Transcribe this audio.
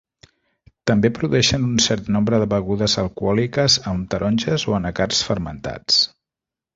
També produeixen un cert nombre de begudes alcohòliques amb taronges o anacards fermentats.